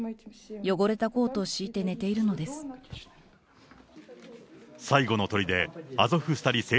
汚れたコートを敷いて寝ているのです。